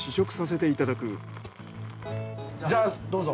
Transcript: じゃあどうぞ。